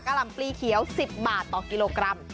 หล่ำปลีเขียว๑๐บาทต่อกิโลกรัม